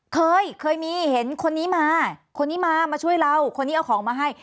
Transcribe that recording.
เคยเคยมีเห็นคนนี้มาคนนี้มามาช่วยเราคนนี้เอาของมาให้